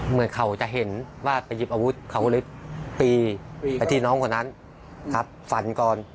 เหมือนเขาจะเห็นว่าไปหยิบอาวุธเขาก็เลยตีไปที่น้องคนนั้นครับฝันก่อน